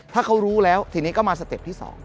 ถ้าเขารู้แล้วทีนี้ก็มาสเต็ปที่๒